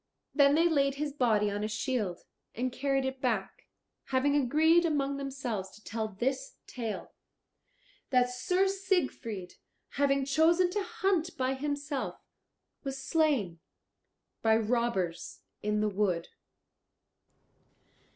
Then they laid his body on a shield and carried it back, having agreed among themselves to tell this tale, that Sir Siegfried having chosen to hunt by himself was slain by robbers in the wood.